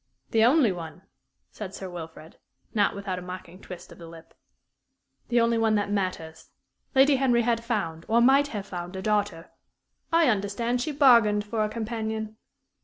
"The only one?" said Sir Wilfrid, not without a mocking twist of the lip. "The only one that matters. Lady Henry had found, or might have found, a daughter " "I understand she bargained for a companion."